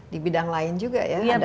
di bidang lain juga ya